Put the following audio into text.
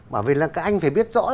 bởi vì anh phải biết rõ